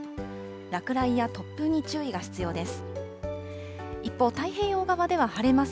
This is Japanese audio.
落雷や突風に注意が必要です。